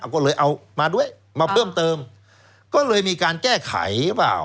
ก็เลยเอามาด้วยมาเพิ่มเติมก็เลยมีการแก้ไขหรือเปล่า